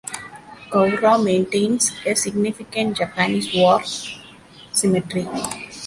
Cowra maintains a significant Japanese war cemetery.